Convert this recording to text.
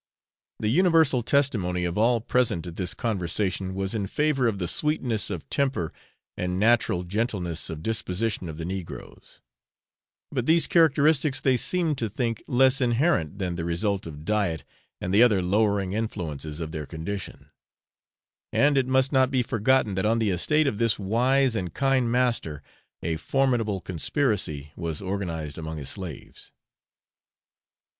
The universal testimony of all present at this conversation was in favour of the sweetness of temper and natural gentleness of disposition of the negroes; but these characteristics they seemed to think less inherent than the result of diet and the other lowering influences of their condition; and it must not be forgotten that on the estate of this wise and kind master a formidable conspiracy was organised among his slaves.